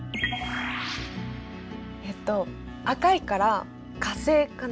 えっと赤いから火星かな？